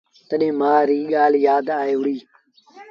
تڏهيݩ مآ ريٚ ڳآل يآد آئي وُهڙي۔